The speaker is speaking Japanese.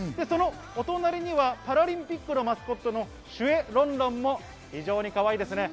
そのお隣にはパラリンピックのマスコットのシュエ・ロンロンも非常にかわいいです。